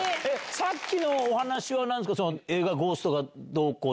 さっきのお話は何ですか？